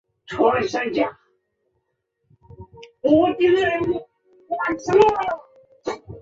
埃尔斯特河畔克罗森是德国图林根州的一个市镇。